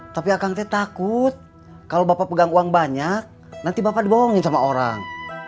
tapi akang teh takut kalau bapak pegang uang banyak nanti bapak dibohongin sama orang